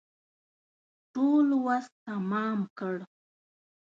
ټول وس تمام کړ.